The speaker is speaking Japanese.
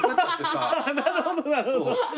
なるほどなるほど。